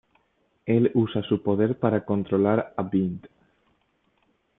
Él usa su poder para controlar a Bind.